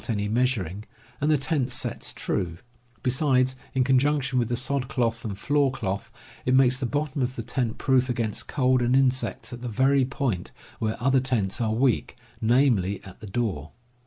^j any measuring, and the tent Floor cloth sets true; besides, in con junction with the sod cloth and floor cloth, it makes the bottom of the tent proof against cold and insects at the very point where other tents are weak, namely, at the door.